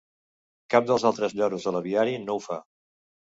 Cap dels altres lloros de l'aviari no ho fa.